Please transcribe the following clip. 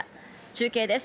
中継です。